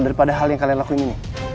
daripada hal yang kalian lakuin ini